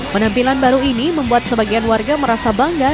penampilan baru ini membuat sebagian warga merasa bangga